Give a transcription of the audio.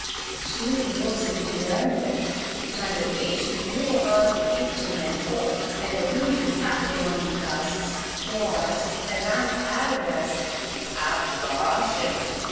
She even rose a little earlier, and the way she flew about the kitchen and porch at her usual Saturday morning tasks was, as Aunt Alvirah said, "a caution."